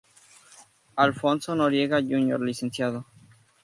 Alfonso Noriega Jr., Lic.